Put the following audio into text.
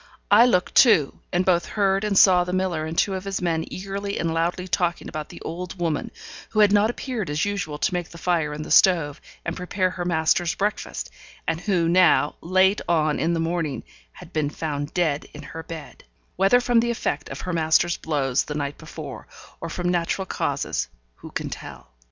I looked too, and both heard and saw the miller and two of his men eagerly and loudly talking about the old woman, who had not appeared as usual to make the fire in the stove, and prepare her master's breakfast, and who now, late on in the morning, had been found dead in her bed; whether from the effect of her master's blows the night before, or from natural causes, who can tell?